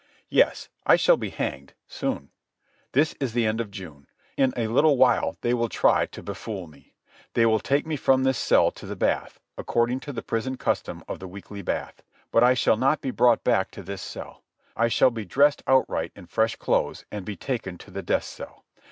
Yes, I shall be hanged ... soon. This is the end of June. In a little while they will try to befool me. They will take me from this cell to the bath, according to the prison custom of the weekly bath. But I shall not be brought back to this cell. I shall be dressed outright in fresh clothes and be taken to the death cell.